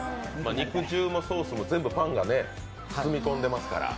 肉汁もソースも全部パンに染み込んでますからね。